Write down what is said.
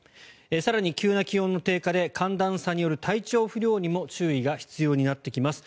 更に急な気温の低下で寒暖差による体調不良にも注意が必要になってきます。